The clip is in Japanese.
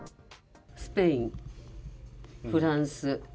スペイン、フランス。